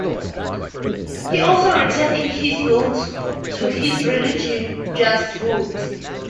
He also returned in his will to his religious roots.